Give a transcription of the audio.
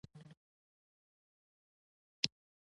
اسلام د ښوونځي ورانول او تړل نه خوښوي